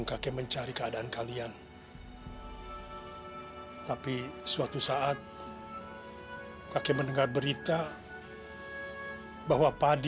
kamu meninggal waktu melahirkan kamu